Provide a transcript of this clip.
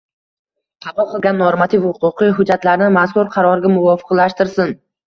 qabul qilgan normativ-huquqiy hujjatlarni mazkur qarorga muvofiqlashtirsin.